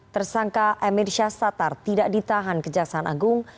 tersangka emir syahsatar tidak ditahan kejaksaan agung